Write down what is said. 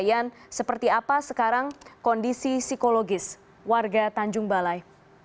yan seperti apa sekarang kondisi psikologis warga tanjung balai